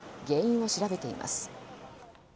警察は原因を調べています。